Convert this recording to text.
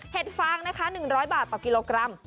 ฟางนะคะ๑๐๐บาทต่อกิโลกรัม